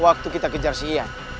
waktu kita kejar si ian